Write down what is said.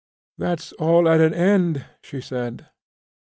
"That's all at an end," she said.